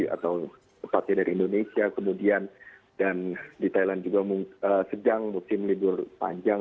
atau tepatnya dari indonesia kemudian dan di thailand juga sedang musim libur panjang